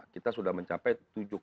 kita sudah mencapai tujuh lima